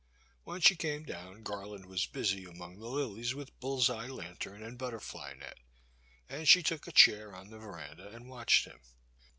When she came down, Garland was busy among the lilies with buUseye lantern and butterfly net, and she took a chair on the verandah and watched him.